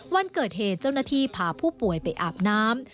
วันเกิดเหตุเจ้าหน้าที่พาผู้ป่วยไปอาบน้ำ